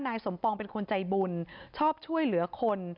นายสมปองเป็นคนใจบุญชอบช่วยเหลือคน